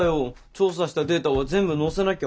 調査したデータは全部載せなきゃ。